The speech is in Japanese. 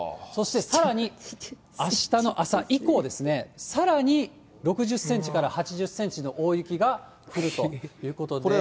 そしてさらに、あしたの朝以降ですね、さらに６０センチから８０センチの大雪が降るということで。